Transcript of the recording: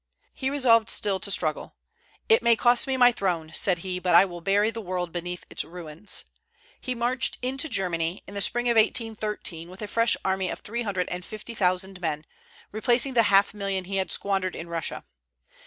He resolved still to struggle. "It may cost me my throne," said he, "but I will bury the world beneath its ruins." He marched into Germany, in the spring of 1813, with a fresh army of three hundred and fifty thousand men, replacing the half million he had squandered in Russia.